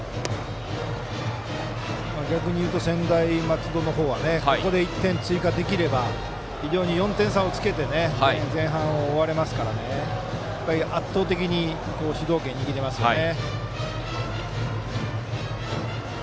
逆に言うと、専大松戸はここで１点追加できれば４点差をつけて前半を終われますから圧倒的に主導権を握れますね。